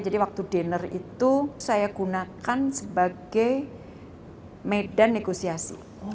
jadi waktu dinner itu saya gunakan sebagai medan negosiasi